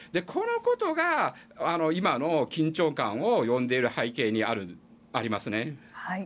このことが今の緊張感を呼んでいる背景にありますね。